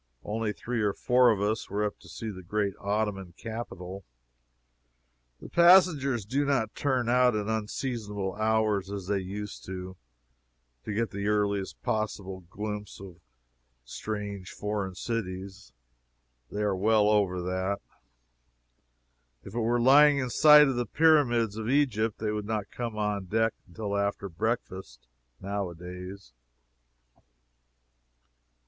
Only three or four of us were up to see the great Ottoman capital. The passengers do not turn out at unseasonable hours, as they used to, to get the earliest possible glimpse of strange foreign cities. They are well over that. If we were lying in sight of the Pyramids of Egypt, they would not come on deck until after breakfast, now a days.